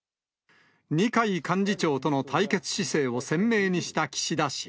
二階幹事長との対決姿勢を鮮明にした岸田氏。